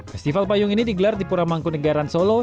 festival payung ini digelar di puramangkunegaraan solo